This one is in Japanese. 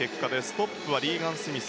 トップはリーガン・スミス。